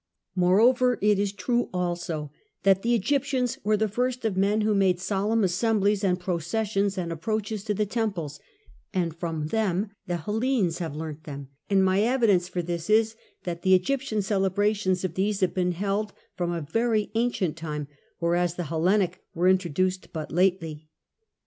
Moreover, it is true also that the Egyptians were the first of men who made solemn assemblies and processions and approaches to the temples, and from them the Hellenes have learnt them, and my evidence for this is that the Egyptian celebrations of these have been held from a very ancient time, whereas the Hellenic were introduced but lately.